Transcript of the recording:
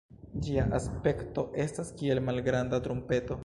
Ĝia aspekto estas kiel malgranda trumpeto.